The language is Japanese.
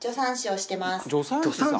助産師さん？